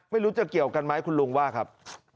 ไม่รู้จะเกี่ยวกันไหมคุณลุงว่าครับ